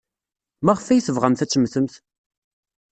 Maɣef ay tebɣamt ad temmtemt?